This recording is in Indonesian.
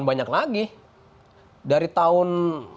banyak lagi dari tahun